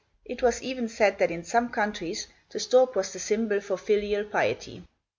It was even said that in some countries the stork was the symbol for filial piety.